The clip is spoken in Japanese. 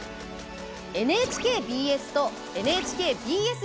ＮＨＫＢＳとＮＨＫＢＳ